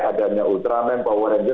adanya ultraman power ranger